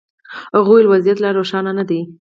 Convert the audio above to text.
هغوی ویل وضعیت لا روښانه نه دی.